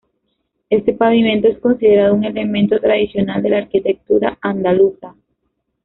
Este pavimento es considerado un elemento tradicional de la arquitectura andaluza.